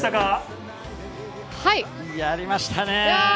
やりましたね。